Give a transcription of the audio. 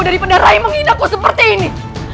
daripada rai menghina ku seperti ini